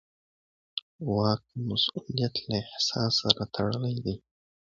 واک د مسوولیت له احساس سره تړلی دی.